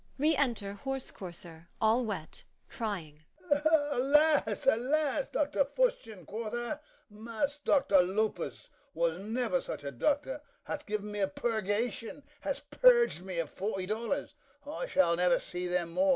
] Re enter HORSE COURSER, all wet, crying. HORSE COURSER. Alas, alas! Doctor Fustian, quoth a? mass, Doctor Lopus was never such a doctor: has given me a purgation, has purged me of forty dollars; I shall never see them more.